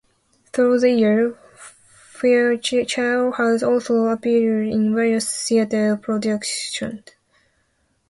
Through the years, Fairchild has also appeared in various theater productions.